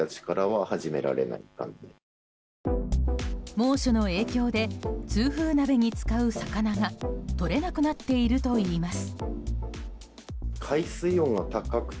猛暑の影響で痛風鍋に使う魚がとれなくなっているといいます。